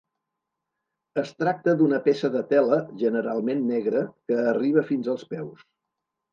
Es tracta d'una peça de tela, generalment negre, que arriba fins als peus.